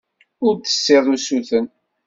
Ur d-tessiḍ usuten.